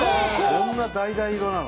こんなだいだい色なの？